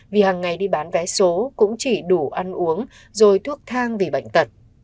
vì hàng ngày đi bán vé số cũng chỉ đủ ăn uống rồi thuốc thang vì bệnh tật